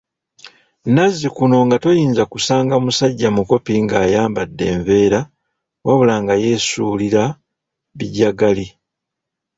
Nazzikuno nga toyinza kusanga musajja mukopi ng‘ayambadde enveera, wabula ng‘ayeesuulira bijagali.